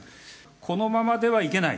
このままではいけない。